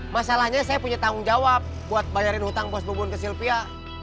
masalahnya saya punya tanggung jawab buat bayarin utang bos bubun ke sylvia